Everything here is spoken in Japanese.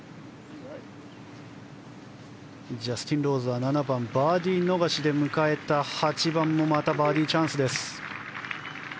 ジャスティン・ローズは７番、バーディーを逃して迎えた８番もまたバーディーチャンス。